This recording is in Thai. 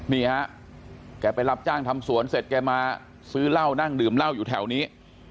นี่ฮะแกไปรับจ้างทำสวนเสร็จแกมาซื้อเหล้านั่งดื่มเหล้าอยู่แถวนี้